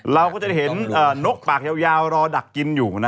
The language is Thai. เราก็จะเห็นนกปากยาวรอดักกินอยู่นะ